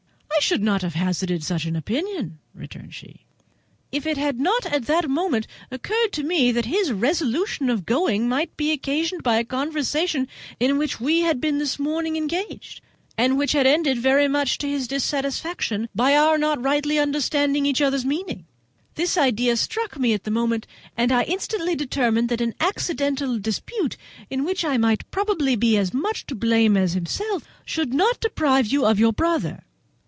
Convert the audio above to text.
"I should not have hazarded such an opinion," returned she, "if it had not at that moment occurred to me that his resolution of going might be occasioned by a conversation in which we had been this morning engaged, and which had ended very much to his dissatisfaction, from our not rightly understanding each other's meaning. This idea struck me at the moment, and I instantly determined that an accidental dispute, in which I might probably be as much to blame as himself, should not deprive you of your brother.